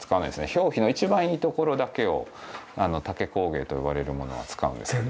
表皮の一番いいところだけを竹工芸といわれるものは使うんですね。